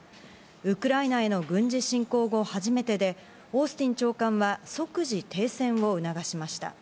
ウクライナへの軍事侵攻後初めてで、オースティン長官は即時停戦を促しました。